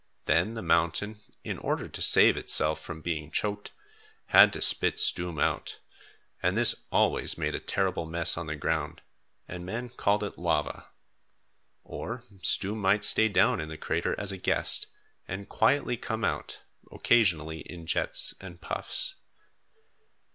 Then the mountain, in order to save itself from being choked, had to spit Stoom out, and this always made a terrible mess on the ground, and men called it lava. Or, Stoom might stay down in the crater as a guest, and quietly come out, occasionally, in jets and puffs.